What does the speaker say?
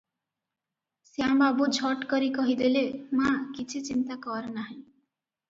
ଶ୍ୟାମବାବୁ ଝଟ କରି କହିଦେଲେ "ମା, କିଛି ଚିନ୍ତା କର ନାହିଁ ।